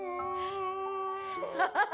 ハハハハ！